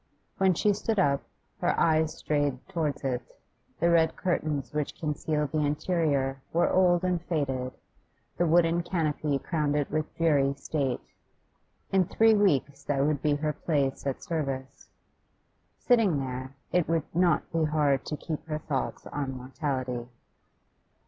When she stood up, her eyes strayed towards it; the red curtains which concealed the interior were old and faded, the wooden canopy crowned it with dreary state. In three weeks that would be her place at service. Sitting there, it would not be hard to keep her thoughts on mortality.